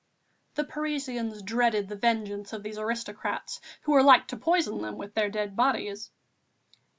The Parisians dreaded the vengeance of these aristocrats who were like to poison them with their dead bodies.